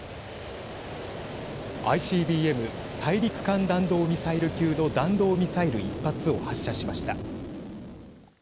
ＩＣＢＭ＝大陸間弾道ミサイル級の弾道ミサイル１発を発射しました。